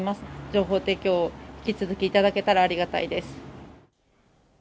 情報提供を引き続き頂けたらありがたいです。